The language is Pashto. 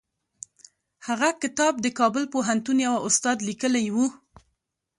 هغه کتاب د کابل پوهنتون یوه استاد لیکلی و.